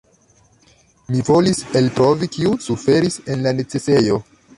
Mi volis eltrovi kiu suferis en la necesejo."